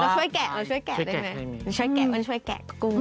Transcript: ช่วยแกะเราช่วยแกะได้ไหมช่วยแกะมันช่วยแกะกุ้ง